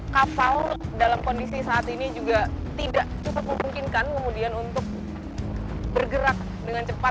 kapal dalam kondisi saat ini juga tidak cukup memungkinkan kemudian untuk bergerak dengan cepat